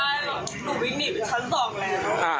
ได้ดึงก็ได้หนูวิ่งหนีไปชั้น๒แล้ว